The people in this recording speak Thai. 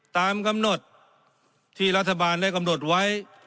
ตามกำหนดที่รัฐบาลได้กำหนดไว้